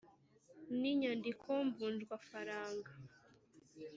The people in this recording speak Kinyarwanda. n inyandiko mvunjwafaranga